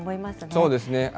そうです。